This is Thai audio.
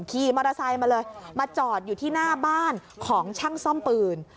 ขี่มอเตอร์ไซค์มาเลยมาจอดอยู่ที่หน้าบ้านของช่างซ่อมปืน